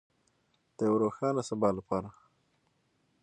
د یو روښانه سبا لپاره.